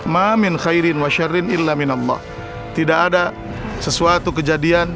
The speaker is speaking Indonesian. maamin khairin wa syarin willam life tidak ada sesuatu kejadian barr dining